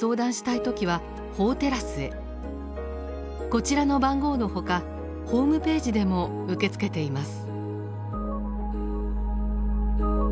こちらの番号のほかホームページでも受け付けています。